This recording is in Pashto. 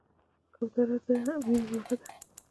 کوتره د مینې مرغه ده.